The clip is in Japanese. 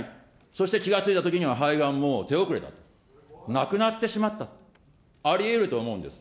そして気がついたときには肺がんはもう手遅れだと、亡くなってしまったと、ありえると思うんです。